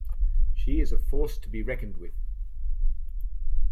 She is a force to be reckoned with.